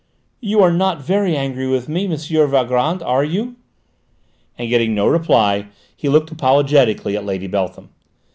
"You are not very angry with me, M. Valgrand, are you?" and getting no reply he looked apologetically at Lady Beltham.